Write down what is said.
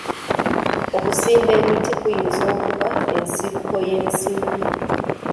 Okusimba emiti kuyinza okuba ensibuko y'ensimbi.